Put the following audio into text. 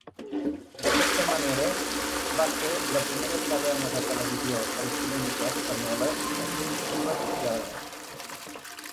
D'aquesta manera, va ser la primera cadena de televisió autonòmica espanyola a ser privatitzada.